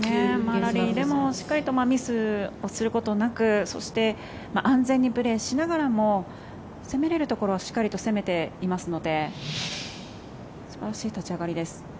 ラリーでもしっかりとミスをすることなくそして、安全にプレーしながらも攻めれるところはしっかりと攻めていますので素晴らしい立ち上がりです。